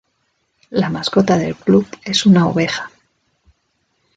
La mascota del club es una oveja.